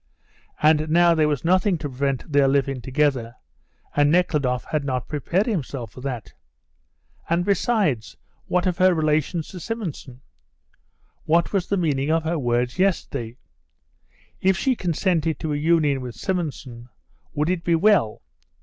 And now there was nothing to prevent their living together, and Nekhludoff had not prepared himself for that. And, besides, what of her relations to Simonson? What was the meaning of her words yesterday? If she consented to a union with Simonson, would it be well?